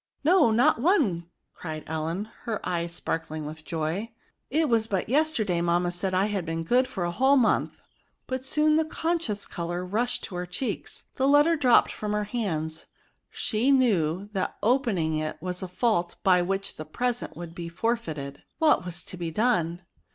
No, not one!" cried Ellen, g04 DEMONSTRATIVE PRONOXJKdb her eyes sparkling with joy ;" it was but yesterday mamma said I had been good for a whole month :" but soon the conscious colour rushed to her cheeks, the letter dropt from her hands ; she knew that opening it was a fault by which the present would be for feited. What was to be done